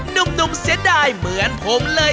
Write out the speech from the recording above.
หนุ่มเสียดายเหมือนผมเลย